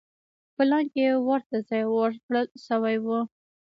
پلان کې ورته ځای ورکړل شوی و.